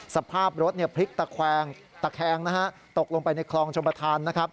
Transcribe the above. สภาพรถพลิกตะแคงตกลงไปในคลองชมพัฒน